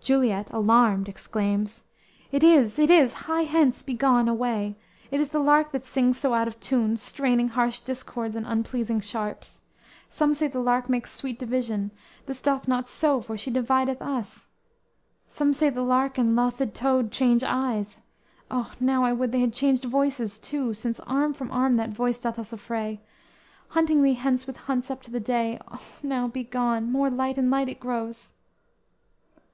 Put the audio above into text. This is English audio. "_ Juliet alarmed exclaims: _"It is, it is, hie hence, begone away; It is the lark that sings so out of tune, Straining harsh discords and unpleasing sharps. Some say the lark makes sweet division; This doth not so, for she divideth us; Some say, the lark and lothed toad change eyes; O, now I would they had changed voices too; Since arm from arm that voice doth us affray, Hunting thee hence with hunts up to the day. O, now begone; more light and light it grows."